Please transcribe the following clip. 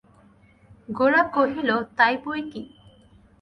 গোরা কহিল, তাই বৈকি!